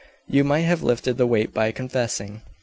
"You might have lifted the weight by confessing."